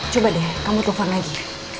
coba deh kamu telpon lagi